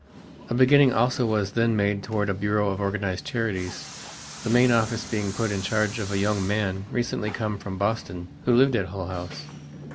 A beginning also was then made toward a Bureau of Organized Charities, the main office being put in charge of a young man recently come from Boston, who lived at Hull House.